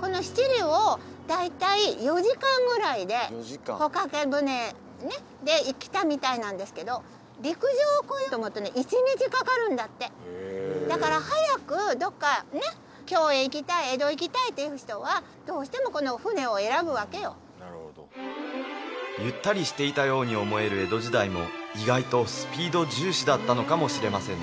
この七里を大体４時間ぐらいで帆掛け船で来たみたいなんですけど陸上を来ようと思うとね１日かかるんだってだから早くどっか京へ行きたい江戸行きたいっていう人はどうしてもこの船を選ぶわけよゆったりしていたように思える江戸時代も意外とスピード重視だったのかもしれませんね